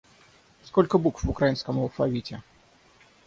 Сколько букв в украинском алфавите?